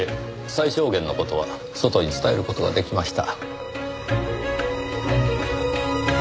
最小限の事は外に伝える事が出来ました。